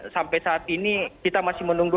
sampai saat ini kita masih menunggu